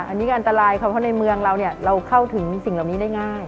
อันนี้อันตรายเพราะว่าในเมืองเราเข้าถึงสิ่งเหล่านี้ได้ง่าย